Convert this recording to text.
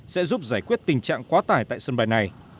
sẽ giúp giải quyết tình trạng quá tải tại sân bay này